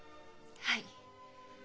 はい。